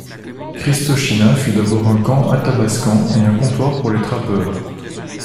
Christochina fut d'abord un camp Athabascan et un comptoir pour les trappeurs.